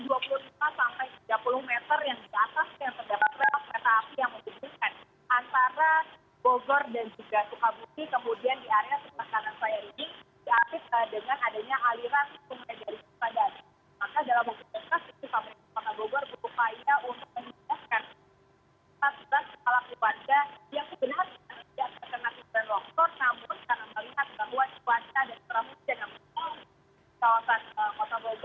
diketahui sebelumnya di kawasan siena sarisi terdapat sekitar dua puluh kepala warga